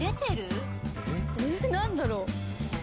何だろう。